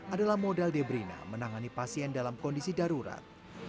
adalah modal debrina menangani pasien dalam kondisi darurat